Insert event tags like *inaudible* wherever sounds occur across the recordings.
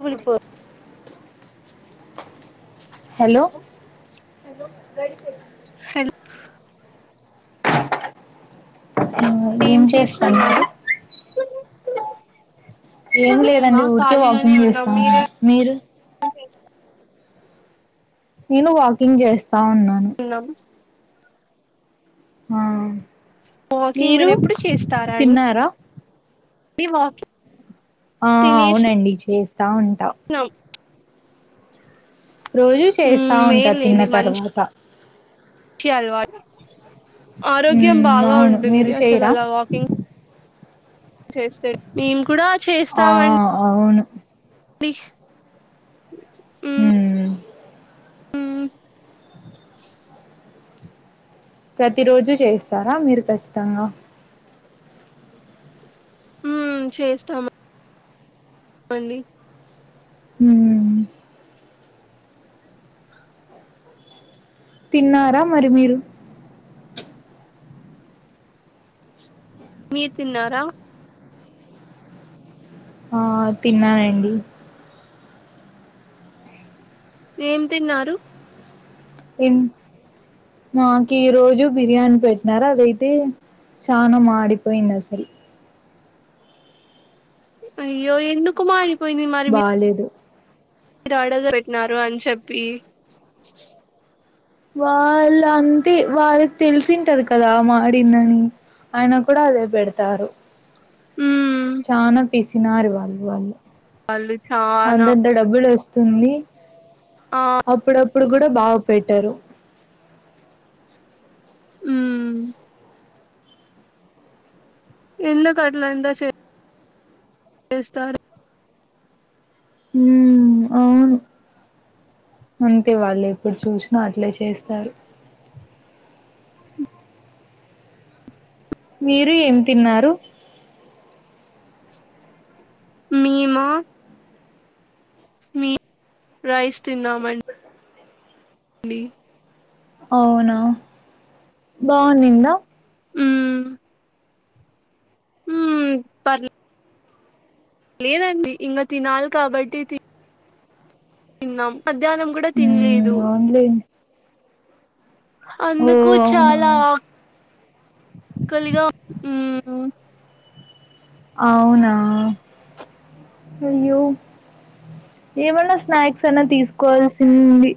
*unintelligible* hello hello గడి hello ఏం చేస్తున్నారండి ఏం మేమా లేదండి ఊరికే వాకింగ్ చేస్తాము మీరు అే నేను వాకింగ్ చేస్తా ఉన్నాను ఇంకేంటి ఆ వాకింగ్ మీరు ఎప్పుడు తిన్నారా తిని వాకింగ్ ఆ అవునండి చేస్తా ఉంటా నా రోజూ చేస్తా ఉంటారు తిన్న మేల్లేండి మంచి తర్వాత అలవాటు ఆరోగ్యం ఉమ్ బాగా అవును ఉంటుంది మీరు అసలు చేయరా అలా వాకింగ్ చేస్తే మేం కు కూడా చేసి ఆ అవును పీ ఉమ్ ఉమ్ ప్రతి రోజు చేస్తారా మీరు ఖచ్చితంగా ఉమ్ చేస్తాము చెప్పండి ఉమ్ తిన్నారా మరి మీరు మీరు తిన్నారా ఆ తిన్నానండి ఏం తిన్నారు ఇం మాకు ఈరోజు బిర్యానీ పెట్టినారు అదైతే చానా మాడిపోయింది అసలు అయ్యో ఎందుకు మాడి బాలేేదు మీరు ఆడగ పెట్టినారు అని చెప్పి వాళ్ళు అంతే వాళ్ళకి తెలిసింటది కదా మాడిందని ఆయిన కూడా అదే పెడతారు ఉమ్ చానా పీసినారు వాళ్ళు వాళ్ళు వాళ్ళు చానా అంతంత డబ్బులు వస్తుంది ఆ అప్పుడప్పుడు కూడా బాగు పెట్టారు ఉమ్ ఎందుకట్లా ఇంత చేస్తారు ఉమ్ అవును అంతే వాళ్ళు ఎప్పుడు చూసినా అట్లే చేస్తారు మీరు ఏం తిన్నారు మేమా మీ రైస్ తిన్నామండి డీ అవునా బావునిందా ఉమ్ ఉమ్ పర్ లేదండి ఇంకా తినాలి కాబట్టి తిన్నాం మధ్యాహ్నం కూడా ఉమ్ తినలేదు అవునులే ఓ అందుకు అవునా చాలా ఆకలిగా ఉహు అవునా అయ్యో ఏమన్నా స్నాక్స్ అయినా తీసుకోవాల్సింది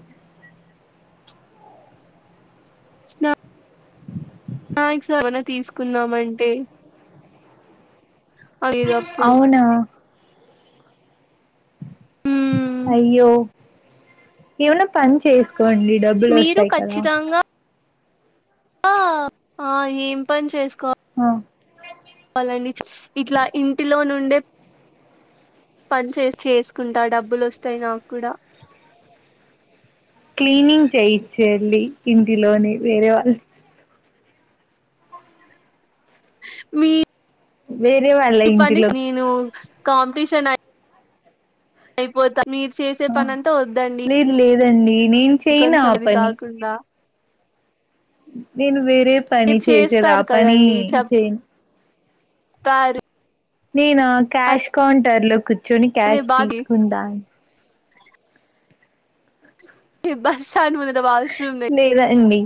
స్నా స్నాక్స్ ఎమ్మనా తీసుకుందామంటే ఐదు అప్పుడు అవునా మ్మ్ అయ్యో ఏమన్న పని చేసుకోండి డబ్బులు మీరు వస్తాయి కదా ఆ ఆ ఏం పని చేసుకోవాల ఆ వాళ్ళని చ్ ఇట్లా ఇంటిలో నుండే పని చేసి చేసుకుంటా డబ్బులు వస్తాయి నాకు కూడా క్లీనింగ్ చేయిచ్చు వెళ్ళి ఇంటిలోనే వేరే వాళ్ళ మీ వేరే వాళ్ళ ఇప్పటి ఇంటిలో నుంచి నేను కాంపిటీషన్ అయిపోతా మీరు చేసే ఆ పని అంతా వద్దండి లేదు లేదండి నేను చేయను కొంచెం ఆ ఇది పని కాకుండా నేను వేరే పని మీరు చేసేది ఆ చేస్తారు పని చేయను తారు నేనా క్యాష్ కౌంటర్ లో కూర్చొని అదే క్యాష్ బాధ తీసుకుంటాను ఇ బస్ స్టాండ్ ముందర వాష్ రూమ్ దగ్గర లేదండి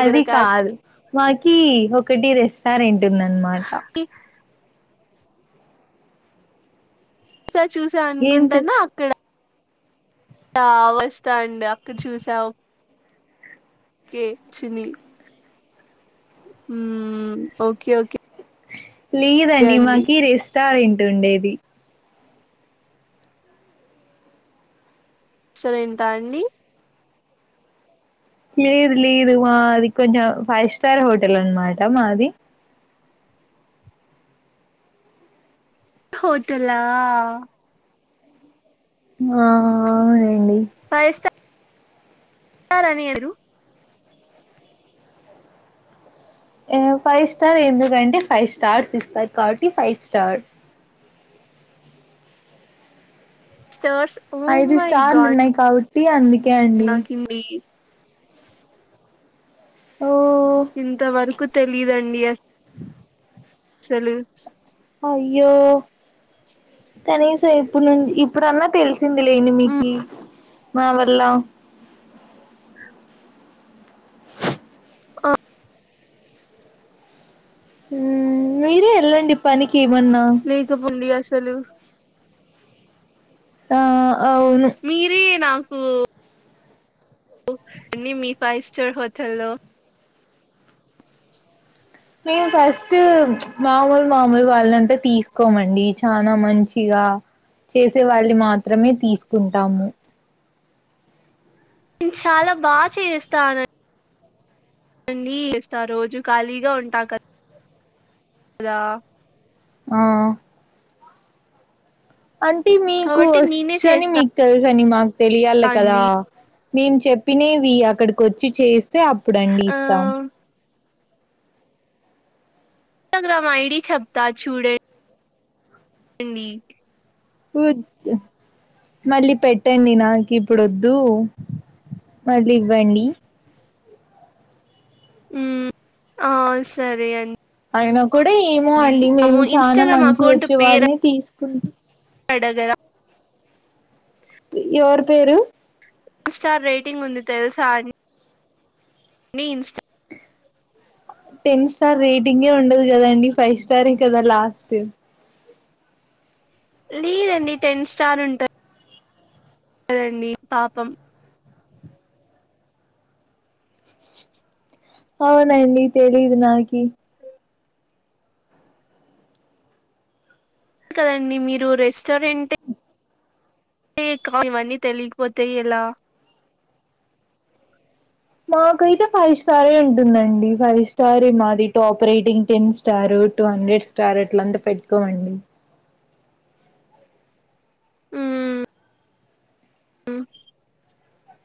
అది కాదు మాకి ఒకటి రెస్టారెంట్ ఉందన్నమాట కి ఒకసారి చూసా ఏం తె అనుకుంటానా అక్కడ బస్ స్టాండ్ అక్కడ చూసావు కే చీని ఉమ్ ఓకే ఓకే లేదండి అండి మాకి రెస్టారెంట్ ఉండేది సో రేంత అండి లేదు లేదు మాది కొంచెం ఫైవ్ స్టార్ హోటల్ అన్నమాట మాది హోటలా ఆ అవునండి ఫైవ్ స్టార్ ఇంకా రానియరు ఎ ఫైవ్ స్టార్ ఎందుకంటే ఫైవ్ స్టార్స్ ఇస్తారు కాబట్టి ఫైవ్ స్టార్ స్టార్స్ ఓ ఐదు మై స్టార్లు గాడ్ ఉన్నాయి కాబట్టి అందుకే అండి రి ఓ ఇంతవరకు తెలీదండి అస్ అసలు అయ్యో కనీసం ఇప్పుడు నుంచి ఇప్పుడన్నా తెలుసు ఎంది లెంది మీకి మా వల్ల ఉమ్ మీరే ఎళ్ళండి పనికి ఏమన్నా లేక పొండి అసలు ఆ అవును మీరే నాకు అండి మీ ఫైవ్ స్టార్ హోటల్లో మేము ఫస్ట్ మామూలు మామూలు వాళ్ళంటే తీసుకోమండి చానా మంచిగా చేసే వాళ్ళని మాత్రమే తీసుకుంటాము నేన్ చాలా బా చేస్తానం నండి చేస్తా రోజు ఖాళీగా ఉంటా క దా ఆ అంటే మీకు కాబట్టి నేనే వొచ్చని చేస్తా మీకు తెలుసని మాకు తెలియాల కదా అండి మేము చెప్పినేవి అక్కడికొచ్చి చేస్తే అప్పుడండి ఆ ఇస్తాం న్స్టాగ్రామ్ ఐడి చెప్తా చూడం *inaudible* డి ఊజ్ మళ్ళీ పెట్టండి నాకు ఇప్పుడు ఒద్దు మళ్ళీ ఇవ్వండి ఉమ్మ్ ఆ సరే అం అయినా కూడా ఏమో అండి మేము చానా ఇన్స్టాగ్రామ్ మంచిగా వచ్చే వాళ్ళనే తీసుకుంట అడగడా ఎవరి పేరు స్టార్ రేటింగ్ ఉంది తెలుసా అం నీ ఇన్స్టా టెన్ స్టార్ రేటింగే ఉండదు కదండి ఫైవ్ స్టారే కదా లాస్ట్ లేదండి టెన్ స్టార్ ఉంట *inaudible* దండి పాపం అవునండి తెలీదు నాకి కదండి మీరు రెస్టారెంటే ఇక ఇవన్నీ తెలికపోతే ఎలా మాకైతే ఫైవ్ స్టారే ఉంటుందండి ఫైవ్ స్టారే మాది top rating ten star two hundred star అట్లంతా పెట్టుకోమండి ఉమ్మ్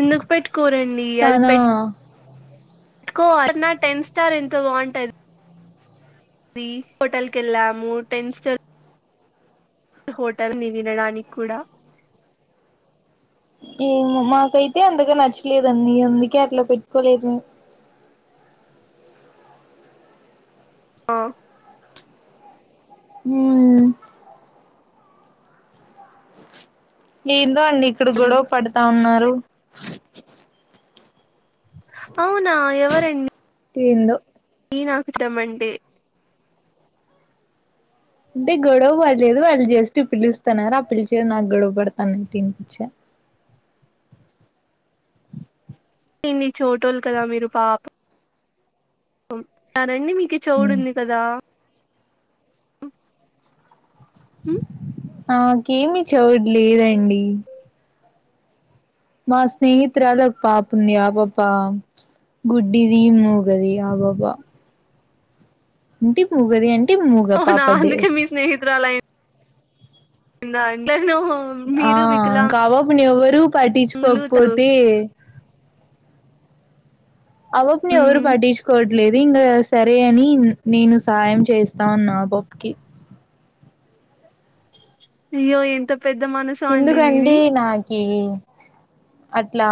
ఎందుకు పెట్టుకోరండి అది చానా పె ట్టుకో అయినా టెన్ స్టార్ ఎంత బాగుంట ది హోటల్‌కి ఎళ్ళాము టెన్ స్టార్ హోటల్‌ ని వినడానికి కూడా ఏమో మాకైతే అంతగా నచ్చలేదండి అందుకే అట్లా పెట్టుకోలేదు ఆ ఉమ్ ఏందో అండి ఇక్కడ అది గొడవ పడతా ఉన్నారు అవునా ఎవరం ఏందో డి నాకు చెమండి అంటే గొడవ పడ్లేదు వాళ్ళు జస్ట్ పిలుస్తున్నారు ఆ పిలిచేది నాకు గొడవ పడుతన్నట్టు ఈనిపిచ్చా ఎన్ని చెవిటోళ్లు కదా మీరు పా *inaudible* పం కదండి మీకి చౌడు మ్మ్ ఉంది కదా మ్మ్ నాకేమీ చౌడ్ లేదండి మా స్నేహితురాలు ఒక పాప ఉంది ఆ పాప గుడ్డిది మూగది ఆ పాప అంటే ముగది అంటే ముగ అవునా అందుకే మీ స్నేహితురాలు అయ్యిం *inaudible* దా ఎట్లేట్లో ఆ ఇంకా ఆ పాపను ఎవ్వరు పట్టిచుకోకపోతే ఆ పాపని ఎవరూ మ్మ్ పట్టిచుకోవ లేదు ఇంగా సరే అని నేను సహాయం చేస్తా ఉన్నా ఆ పాపకి అయ్యో ఎంత పెద్ద మనసో అండి మీది అట్ల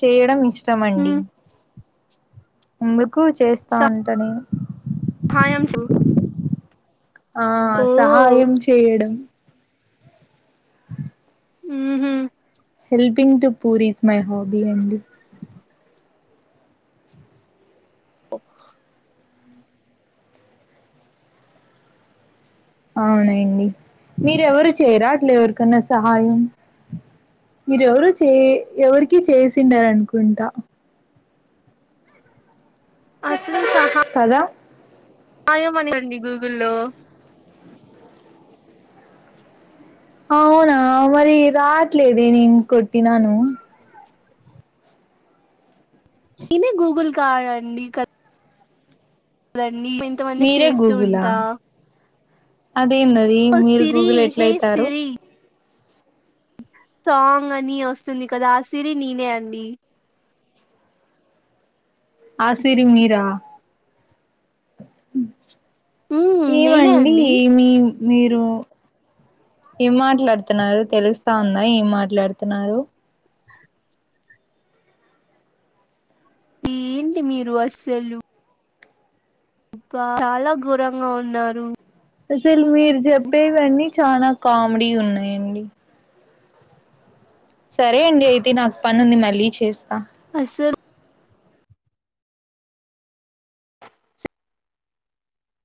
చేయడం ఇష్ ఇష్టమండి మ్మ్ అందుకు చేస్త ఉంట నేను *unintelligible* ఆ సహాయం ఊహు చేయడం ఆ ఉహు helping to poor is my hobby అండి ఓ అవునండి మీరెవరు చేయర అట్ల ఎవరికన్నా సహాయం మీరెవరు చే ఎవరికి చేసిండరు అనుకుంటా అసలు సహా కదా *unintelligible* అండి గూగుల్లో అవునా మరి రావట్లేదే నేను కొట్టినాను *unintelligible* గూగుల్ కార్ అండి *unintelligible* ఇంతమందికి మీరే చేస్తూ ఉంట గూగులా అదేందది మీరు సిరి గూగుల్ ఎట్ల హే అయితారు సిరి సాంగ్ అని వస్తుంది కదా ఆ సిరి నేనే అండి ఆ సిరి మీర మ్మ్ నేనే ఏమండి అండి మీ మీరు ఏం మాట్లాడుతున్నారు తెలుస్త ఉందా ఏం మాట్లాడుతున్నారు ఏంటి మీరు అస్సలు అబ్బా చాల ఘోరంగా ఉన్నారు అసలు మీరు చెప్పేవన్నీ చాల కామెడీ ఉన్నాయండి సరే అండి అయితే నాకు పని ఉంది మళ్ళీ చేస్త అసల్